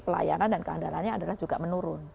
pelayanan dan keandarannya adalah juga menurun